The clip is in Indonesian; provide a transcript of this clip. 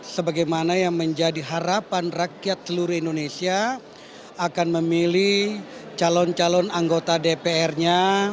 sebagaimana yang menjadi harapan rakyat seluruh indonesia akan memilih calon calon anggota dpr nya